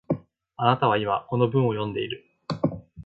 あなたは今、この文を読んでいる